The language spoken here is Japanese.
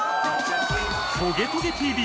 『トゲトゲ ＴＶ』